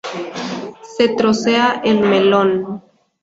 Se trocea el melón.